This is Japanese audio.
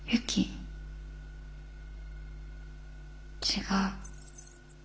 違う。